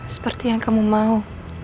seperti yang kamu mau